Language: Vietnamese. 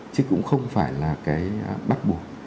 chứ cũng không phải là cái bắt buộc